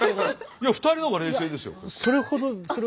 いや２人の方が冷静ですよ。